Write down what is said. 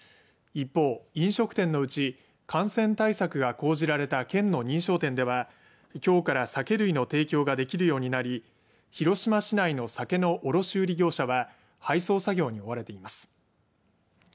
一方、飲食店のうち感染対策が講じられた県の認証店ではきょうから酒類の提供ができるようになり広島市内の酒の卸売業者は配送作業に追われています。